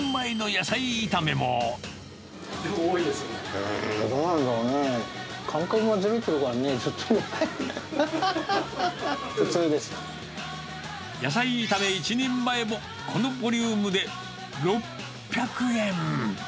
野菜炒め１人前も、このボリュームで６００円。